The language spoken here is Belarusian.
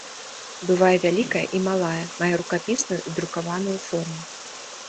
Бывае вялікая і малая, мае рукапісную і друкаваную форму.